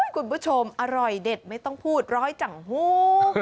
คุณผู้ชมอร่อยเด็ดไม่ต้องพูดร้อยจังหู